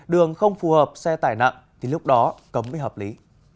đường không phù hợp xe tải nặng thì lúc đó cấm mới hợp lý